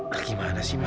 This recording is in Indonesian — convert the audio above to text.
bagaimana sih ma